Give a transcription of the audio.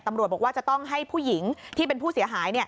ตำรวจบอกว่าจะต้องให้ผู้หญิงที่เป็นผู้เสียหาย